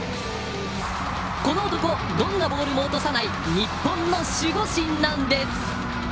この男どんなボールも落とさない日本の守護神なんです。